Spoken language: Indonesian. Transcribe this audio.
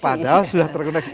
padahal sudah terkoneksi